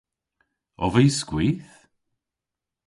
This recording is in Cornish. Ov vy skwith?